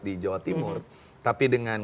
di jawa timur tapi dengan